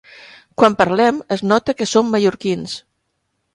Quan parlem, es nota que som mallorquins.